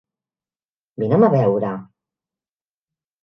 Vine'm a veure.